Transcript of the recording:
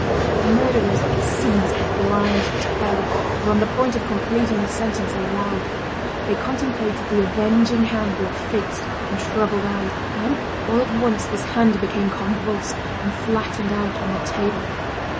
The murderers, seized with blind terror, were on the point of completing the sentence aloud. They contemplated the avenging hand with fixed and troubled eyes, when, all at once this hand became convulsed, and flattened out on the table.